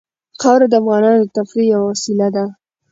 خاوره د افغانانو د تفریح یوه وسیله ده.